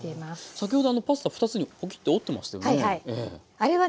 先ほどパスタ２つにポキッと折ってましたよね？